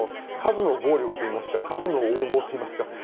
数の暴力といいますか数の横暴といいますか。